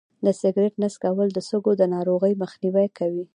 د سګرټ نه څکول د سږو د ناروغۍ مخنیوی کوي.